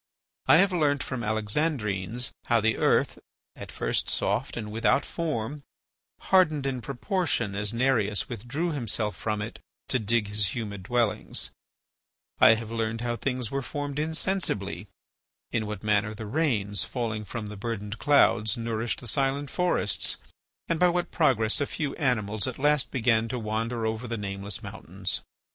I have learnt from the Alexandrines how the earth, at first soft and without form, hardened in proportion as Nereus withdrew himself from it to dig his humid dwellings; I have learned how things were formed insensibly; in what manner the rains, falling from the burdened clouds, nourished the silent forests, and by what progress a few animals at last began to wander over the nameless mountains.